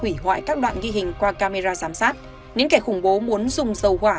hủy hoại các đoạn ghi hình qua camera giám sát những kẻ khủng bố muốn dùng dầu hỏa